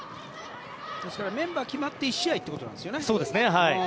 ですからメンバーが決まって１試合ということですよね。